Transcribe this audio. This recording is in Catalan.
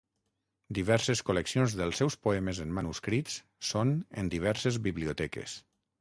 Diverses col·leccions dels seus poemes en manuscrits són en diverses biblioteques.